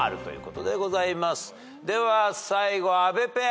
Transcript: では最後阿部ペア。